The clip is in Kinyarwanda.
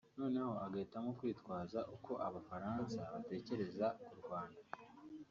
noneho agahitamo kwitwaza uko Abafaransa batekereza k’ uRwanda